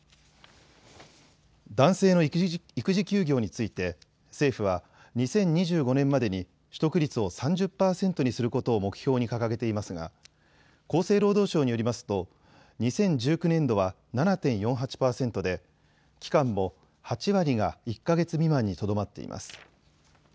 男性の育児休業について政府は２０２５年までに取得率を３０％にすることを目標に掲げていますが、厚生労働省によりますと２０１９年度は７．４８％で期間も８割が１か月未満にとどまっています。